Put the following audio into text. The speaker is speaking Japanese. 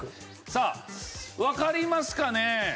さあわかりますかね？